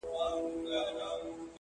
!!د هر اواز سره واخ، واخ پورته کړي!!